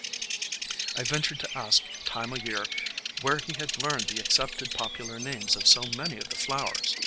I ventured to ask Time o' Year where he had learned the accepted popular names of so many of the flowers.